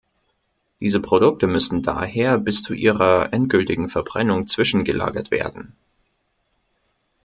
Diese Produkte müssen daher bis zu ihrer endgültigen Verbrennung zwischengelagert werden.